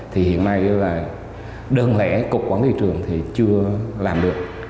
thì hiện nay đơn lẽ cục quản lý trường thì chưa làm được